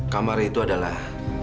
kamar itu adalah